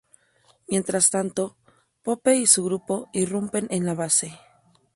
Mientras tanto, Pope y su grupo irrumpen en la base.